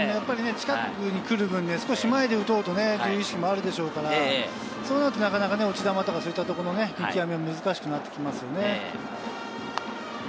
近くに来る分、少し手前で打とうという意識もあるでしょうから、そうなると、なかなか落ち球の見極めが難しくなってきますよね。